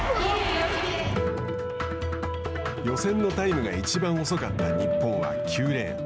予選のタイムがいちばん遅かった日本は９レーン。